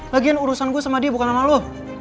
lagian urusan gue sama dia bukan sama lo